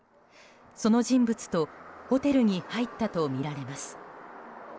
その人物とホテルに入ったとみられます。